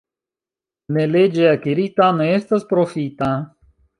Neleĝe akirita ne estas profita.